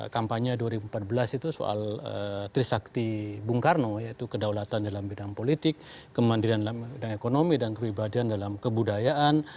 kampanye dua ribu empat belas itu soal trisakti bung karno yaitu kedaulatan dalam bidang politik kemandirian bidang ekonomi dan kepribadian dalam kebudayaan